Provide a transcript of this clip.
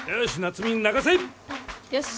よし。